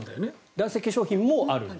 男性化粧品もある。